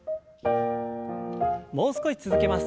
もう少し続けます。